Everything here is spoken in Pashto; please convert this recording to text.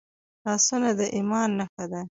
لاسونه د ایمان نښه ده